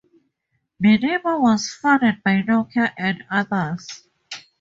Minimo was funded by Nokia and others.